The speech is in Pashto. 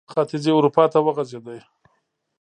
ختیځې اروپا ته وغځېد.